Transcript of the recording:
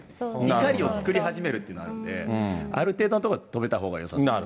怒りを作り始めるっていうのがあるんで、ある程度のところで止めたほうがよさそうです。